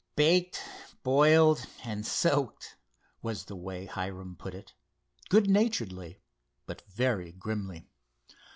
"Baked, boiled, and soaked," was the way Hiram put it, good naturedly, but very grimly.